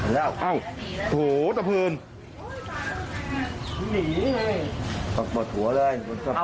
ไม่ตาย